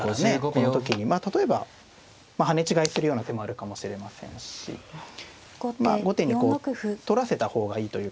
この時にまあ例えば跳ね違いするような手もあるかもしれませんしまあ後手にこう取らせた方がいいという形も。